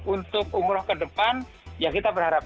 untuk umroh kedepan ya kita berharap